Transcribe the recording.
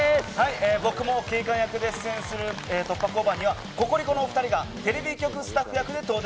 僕も警官役で出演する突破交番にはココリコのお２人がテレビ局スタッフ役で登場。